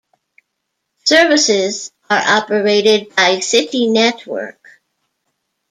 Services are operated by City network.